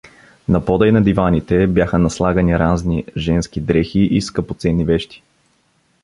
На пода и на диваните бяха наслагани разни женски дрехи и скъпоценни вещи.